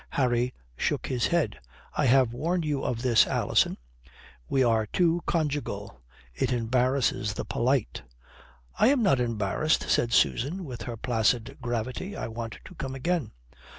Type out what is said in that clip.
Harry shook his head. "I have warned you of this, Alison. We are too conjugal. It embarasses the polite." "I am not embarassed," said Susan, with her placid gravity. "I want to come again."